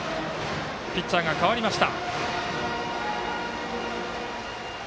ピッチャーが代わりました。